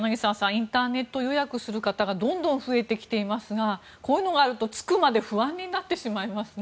インターネット予約する方がどんどん増えてきていますがこういうのがあると着くまで不安になってしまいますね。